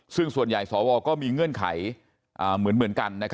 ซึ่งส่วนใหญ่สวก็มีเงื่อนไขเหมือนกัน